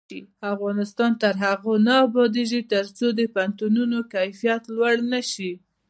افغانستان تر هغو نه ابادیږي، ترڅو د پوهنتونونو کیفیت لوړ نشي.